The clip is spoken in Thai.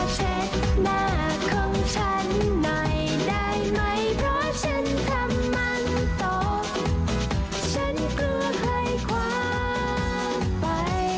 สวัสดีค่ะสวัสดีค่ะ